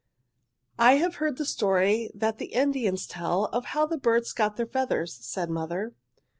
"I have heard the story that the Indians tell of how the birds got their feathers," said mother.